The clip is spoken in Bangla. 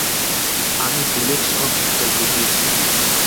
আমি বুলেটসহ পিস্তল বুঝিয়েছিলাম।